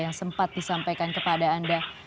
yang sempat disampaikan kepada anda